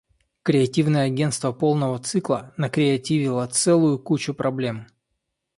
Креативное агенство полного цикла накреативило целую кучу проблем.